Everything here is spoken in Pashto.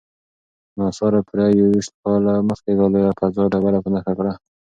ناسا پوره یوویشت کاله مخکې دا لویه فضايي ډبره په نښه کړه.